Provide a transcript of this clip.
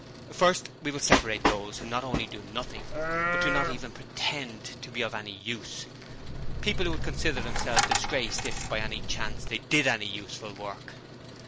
'First we will separate those who not only do nothing, but do not even pretend to be of any use; people who would consider themselves disgraced if they by any chance did any useful work.